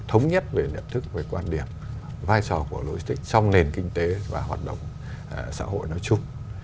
thống nhất về nhận thức về quan điểm vai trò của logistics trong nền kinh tế và hoạt động xã hội nói chung